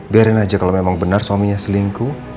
biarin aja kalau memang benar suaminya selingkuh